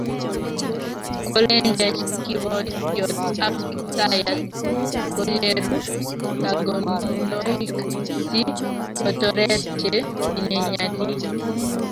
Kolenjech kipoityot ap Kiptaiyat kecheru kagonunoik si kotoret che tinye nyalil